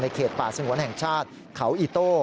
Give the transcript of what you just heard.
เขตป่าสงวนแห่งชาติเขาอีโต้